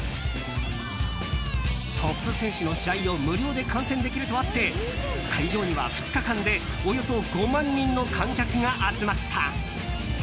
トップ選手の試合を無料で観戦できるとあって会場には２日間でおよそ５万人の観客が集まった。